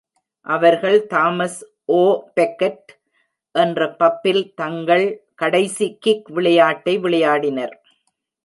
அவர்கள் Thomas O'Becket என்ற பப்பில் தங்கள் கடைசி கிக் விளையாட்டை விளையாடினர்.